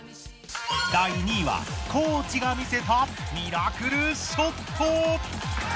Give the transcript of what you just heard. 第２位はコーチが見せたミラクルショット。